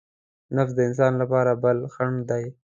نفس د انسان لپاره بل خڼډ دی.